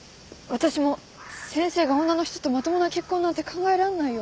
私も先生が女の人とまともな結婚なんて考えらんないよ。